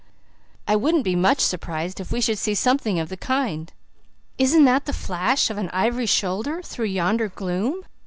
I wouldn't be much surprised if we should see something of the kind. Isn't that the flash of an ivory shoulder through yonder gloom?